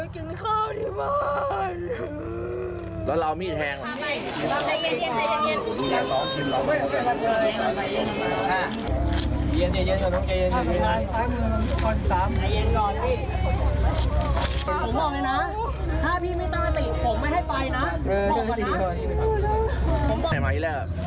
กินข้าวที่บ้าน